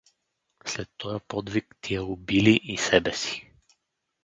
След тоя подвиг тия убили и себе си.